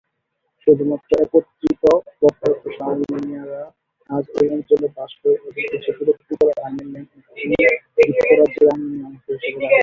শুধুমাত্র একত্রিত এবং অপ্রকাশ্য-আর্মেনীয়রা আজ এই অঞ্চলে বাস করে এবং কিছু বিরক্তিকর আর্মেনিয়ান এটি যুক্তরাজ্যের আর্মেনিয়া অংশ হিসেবে দাবি করে।